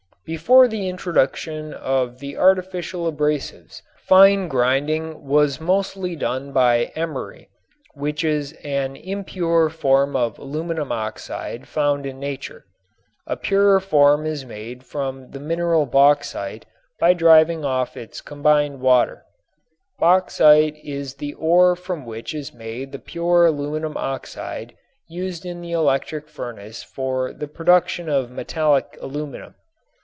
Before the introduction of the artificial abrasives fine grinding was mostly done by emery, which is an impure form of aluminum oxide found in nature. A purer form is made from the mineral bauxite by driving off its combined water. Bauxite is the ore from which is made the pure aluminum oxide used in the electric furnace for the production of metallic aluminum.